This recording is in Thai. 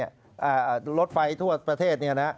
ของประเทศไทยรถไฟทั่วประเทศ